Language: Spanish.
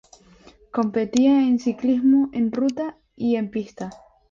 Competía en ciclismo en ruta y en pista.